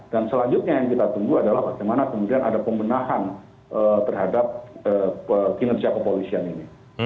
dan selanjutnya yang kita tunggu adalah bagaimana kemudian ada pemenahan terhadap kinerja kepolisian